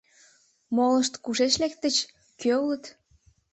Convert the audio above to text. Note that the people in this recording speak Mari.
Молышт кушеч лектыч, кӧ улыт?